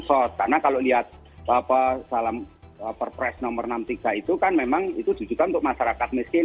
karena kalau lihat salam perpres nomor enam tiga itu kan memang itu jujurkan untuk masyarakat miskin